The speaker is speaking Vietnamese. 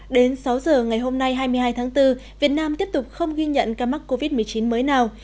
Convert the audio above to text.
đến sáu giờ ngày hôm nay hai mươi hai tháng bốn việt nam tiếp tục không ghi nhận ca mắc covid một mươi chín mới nào